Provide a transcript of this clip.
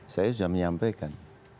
saya sudah menyampaikan